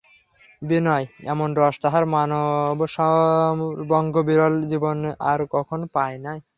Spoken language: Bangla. বিনয় এমন রস তাহার মানবসঙ্গবিরল জীবনে আর কখনো পায় নাই।